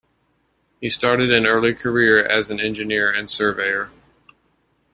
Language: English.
He started an early career as an engineer and surveyor.